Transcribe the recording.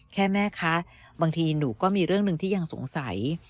แม่คะบางทีหนูก็มีเรื่องหนึ่งที่ยังสงสัย